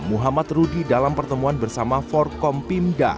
muhammad rudy dalam pertemuan bersama forkom pimda